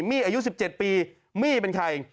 มี่อายุ๑๗ปีมี่เป็นใคร